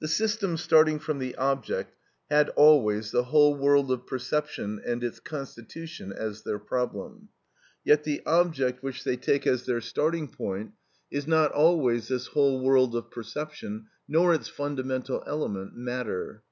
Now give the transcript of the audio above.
The systems starting from the object had always the whole world of perception and its constitution as their problem; yet the object which they take as their starting point is not always this whole world of perception, nor its fundamental element, matter.